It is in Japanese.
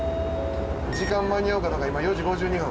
時間間に合うかどうか今４時５２分。